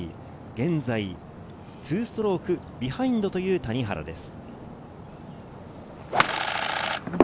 現在、２ストロークビハインドという谷原です。